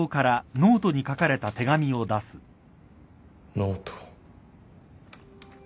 ノート。